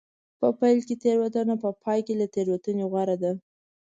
په پیل کې تېروتنه په پای کې له تېروتنې غوره ده.